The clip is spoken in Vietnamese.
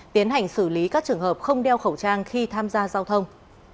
tiến hành xử lý các trường hợp không đeo khẩu trang khi tham gia giao thông